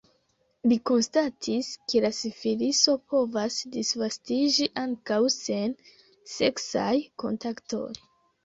Li konstatis, ke la sifiliso povas disvastiĝi ankaŭ sen seksaj kontaktoj.